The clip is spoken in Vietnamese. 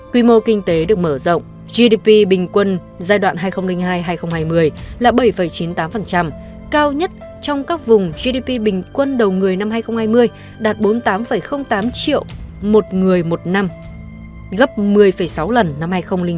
quy mô kinh tế được mở rộng gdp bình quân giai đoạn hai nghìn hai hai nghìn hai mươi là bảy chín mươi tám cao nhất trong các vùng gdp bình quân đầu người năm hai nghìn hai mươi đạt bốn mươi tám tám triệu một người một năm gấp một mươi sáu lần năm hai nghìn chín